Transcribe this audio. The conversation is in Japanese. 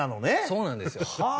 そうなんですよ。